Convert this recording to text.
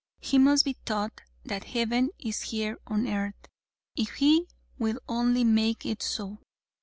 He must be taught that Heaven is here on earth, if he will only make it so.